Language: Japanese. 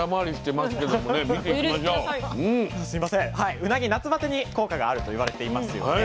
うなぎ夏バテに効果があるといわれていますよね。